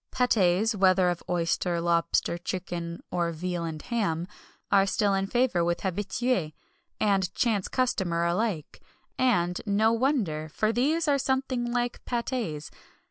Pâtés, whether of oyster, lobster, chicken, or veal and ham, are still in favour with habitué and chance customer alike, and no wonder, for these are something like pâtés.